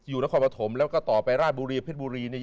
นครปฐมแล้วก็ต่อไปราชบุรีเพชรบุรีเนี่ย